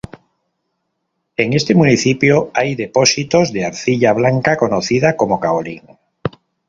En este municipio hay depósitos de arcilla blanca conocida como "caolín.